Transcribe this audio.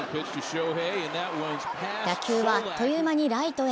打球はあっという間にライトへ。